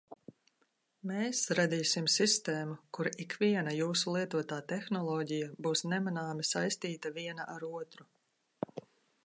Mēs radīsim sistēmu, kur ikviena jūsu lietotā tehnoloģija būs nemanāmi saistīta viena ar otru.